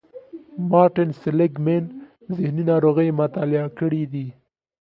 مارټين سېليګ مېن ذهني ناروغۍ مطالعه کړې دي.